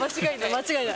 間違いない。